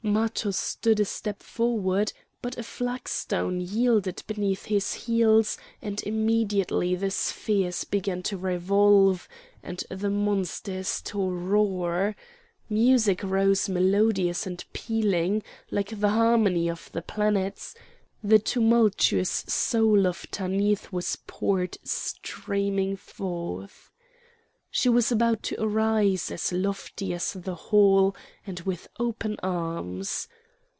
Matho stood a step forward; but a flag stone yielded beneath his heels and immediately the spheres began to revolve and the monsters to roar; music rose melodious and pealing, like the harmony of the planets; the tumultuous soul of Tanith was poured streaming forth. She was about to arise, as lofty as the hall and with open arms.